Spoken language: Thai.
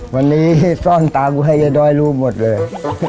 วันนี้ซ่อนตากูไว้ด้วยรูปหมดเลย